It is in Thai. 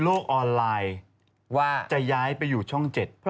โอลี่คัมรี่ยากที่ใครจะตามทันโอลี่คัมรี่ยากที่ใครจะตามทัน